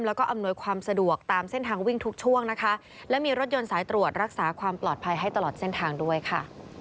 แล้วก็อำนวยความสะดวกตามเส้นทางวิ่งทุกช่วงนะคะและมีรถยนต์สายตรวจรักษาความปลอดภัยให้ตลอดเส้นทางด้วยค่ะ